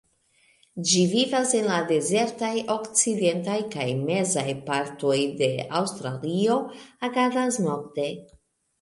Ĝi vivas en la dezertaj okcidentaj kaj mezaj partoj de Aŭstralio, agadas nokte.